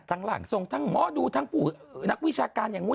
ร่างทรงทั้งหมอดูทั้งผู้นักวิชาการอย่างนู้น